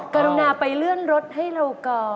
กรุณาไปเลื่อนรถให้เราก่อน